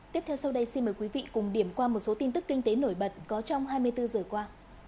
tiếp theo sau đây xin mời quý vị cùng điểm qua một số tin tức kinh tế nổi bật có trong hai mươi bốn giờ qua